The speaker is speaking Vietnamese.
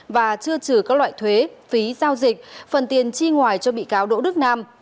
và chưa trừ các loại thuế phí giao dịch phần tiền chi ngoài cho bị cáo đỗ đức nam